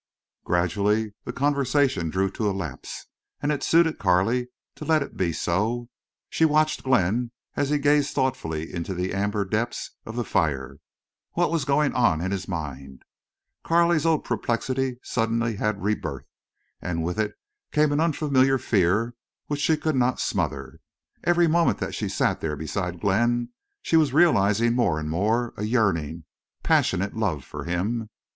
Gradually the conversation drew to a lapse, and it suited Carley to let it be so. She watched Glenn as he gazed thoughtfully into the amber depths of the fire. What was going on in his mind? Carley's old perplexity suddenly had rebirth. And with it came an unfamiliar fear which she could not smother. Every moment that she sat there beside Glenn she was realizing more and more a yearning, passionate love for him.